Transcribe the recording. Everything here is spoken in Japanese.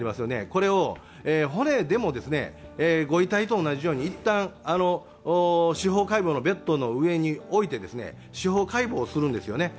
これを骨でもご遺体とおなじように一旦、司法解剖のベッドの上に置いて司法解剖するんですよね。